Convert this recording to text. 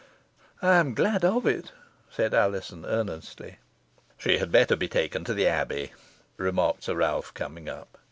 "I am glad of it," said Alizon, earnestly. "She had better be taken to the Abbey," remarked Sir Ralph, coming up.